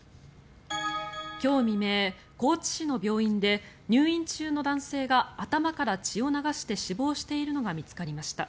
今日未明、高知市の病院で入院中の男性が頭から血を流して死亡しているのが見つかりました。